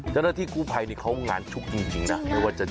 เจ้าหน้าที่กู่ไพเขางานชุดจริงนะ